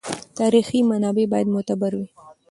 تاریخي منابع باید معتبر وي.